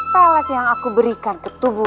pelet yang aku berikan ke tubuh